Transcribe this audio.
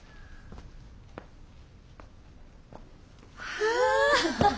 はあ！